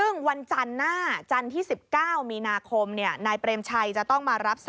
ในข้อหาติดสินบนเจ้าพนักงาน